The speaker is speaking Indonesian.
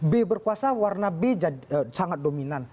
b berkuasa warna b sangat dominan